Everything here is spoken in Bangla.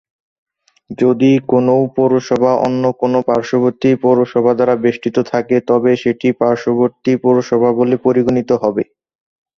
যদি কোনও পৌরসভা অন্য কোনো পার্শ্ববর্তী পৌরসভা দ্বারা বেষ্টিত থাকে তবে সেটি পার্শ্ববর্তী পৌরসভা বলে পরিগণিত হবে।